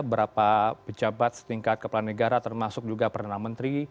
beberapa pejabat setingkat kepala negara termasuk juga perdana menteri